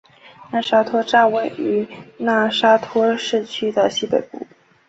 讷沙托站位于讷沙托市区的西北部。